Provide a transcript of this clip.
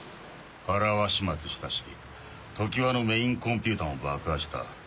原は始末したしＴＯＫＩＷＡのメインコンピューターも爆破した。